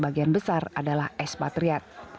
bagian besar adalah es patriar